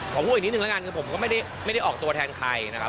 พูดอีกนิดนึงแล้วกันคือผมก็ไม่ได้ออกตัวแทนใครนะครับ